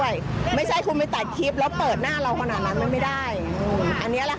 ขณะยตใหญ่เขายังขออนุญาตก่อนเข้าบ้านเรา